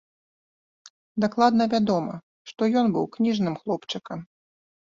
Дакладна вядома, што ён быў кніжным хлопчыкам.